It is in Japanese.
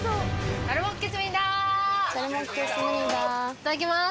いただきます。